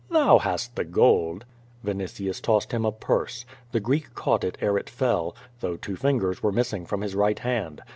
"Thou hast the gold." Vinitius tossed him a purse. The Oreek caught it ere it fell, though two fingers were missing from his right hand.